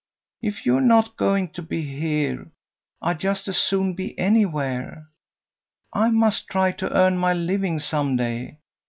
If you're not going to be here, I'd just as soon be anywhere. I must try to earn my living some day.